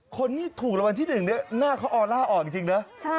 คนถูกรางวัลที่หนึ่งเนี่ยหน้าเค้าอ่อนล่าออกจริงเนอะ